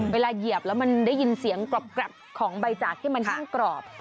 เหยียบแล้วมันได้ยินเสียงกรอบของใบจากที่มันยิ่งกรอบ